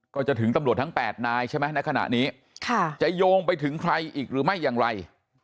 ก็จะถึงตำรวจทั้ง๘นายใช่ไหมในขณะนี้จะโยงไปถึงใครอีกหรือไม่อย่างไร